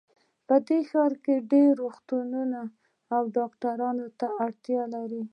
په دې ښار کې ډېر روغتونونه ډاکټرانو ته اړتیا لري